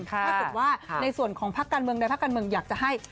ถ้าเกิดว่าในส่วนของพักการเมืองใดพักการเมืองอยากจะให้